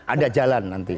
ada jalan nanti